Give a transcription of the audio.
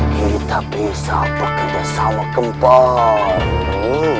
kita bisa bekerja sama kembali